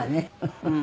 うん。